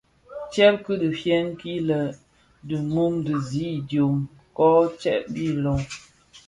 Tsèb ki fiñdim kil è dhi mum dhi zi idyōm kō kèbtèè loň.